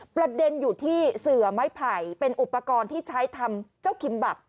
ประเด็นอยู่ที่เสือไม้ไผ่เป็นอุปกรณ์ที่ใช้ทำเจ้าคิมบับ